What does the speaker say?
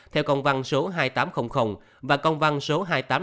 theo công văn số hai nghìn tám trăm linh và công văn số hai nghìn tám trăm năm mươi